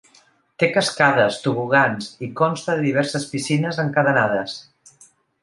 Té cascades, tobogans i consta de diverses piscines encadenades.